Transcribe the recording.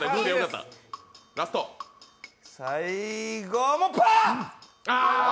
最後も、パー！